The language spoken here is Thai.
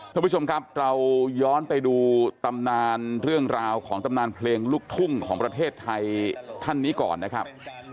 ท่านผู้ชมครับเราย้อนไปดูตำนานเรื่องราวของตำนานเพลงลูกทุ่งของประเทศไทยท่านนี้ก่อนนะครับ